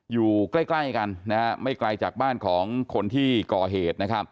อยู่ใกล้กันไม่ไกลจากบ้านของคนที่ก่อเหตุ